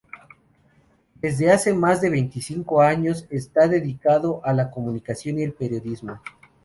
Desde hace más de veinticinco años está dedicado a la comunicación y el periodismo.